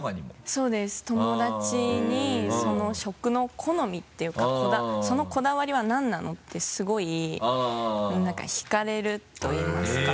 そうです友達にその食の好みっていうかそのこだわりは何なの？ってすごい引かれるといいますか。